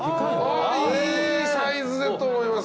いいサイズだと思います。